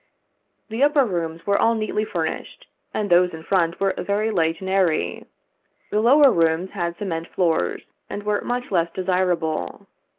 The upper rooms were all neatly finished, and those in front were very light and airy. The lower rooms had cement floors, and were much less desirable.